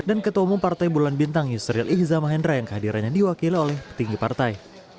dan ketua umum partai bulan bintang yusril ihza mahendra yang kehadirannya diwakili oleh petinggi partai